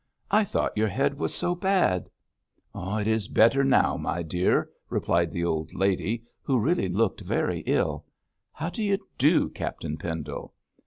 'I thought your head was so bad.' 'It is better now, my dear,' replied the old lady, who really looked very ill. 'How do you do, Captain Pendle?'